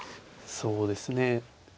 そうですね